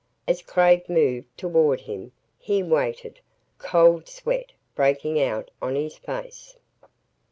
As Craig moved toward him, he waited, cold sweat breaking out on his face.